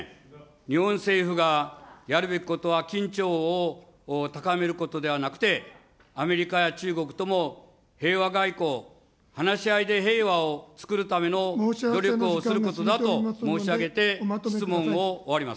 日本政府がやるべきことは、緊張を高めることではなくて、アメリカや中国とも平和外交、話し合いで平和をつくるための努力をすることだと申し上げて質問